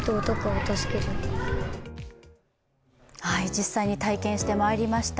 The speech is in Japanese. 実際に体験してまいりました。